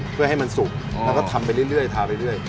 เพื่อให้มันสุกแล้วก็ทำไปเรื่อยทาไปเรื่อย